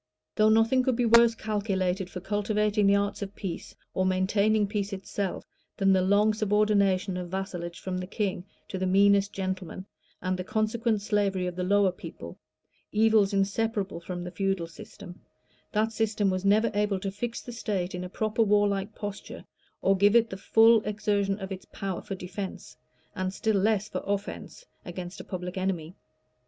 Though nothing could be worse calculated for cultivating the arts of peace, or maintaining peace itself, than the long subordination of vassalage from the king to the meanest gentleman, and the consequent slavery of the lower people, evils inseparable from the feudal system, that system was never able to fix the state in a proper warlike posture, or give it the full exertion of its power for defence, and still less for offence, against a public enemy.